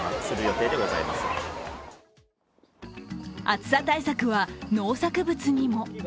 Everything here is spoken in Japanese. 暑さ対策は農作物にも。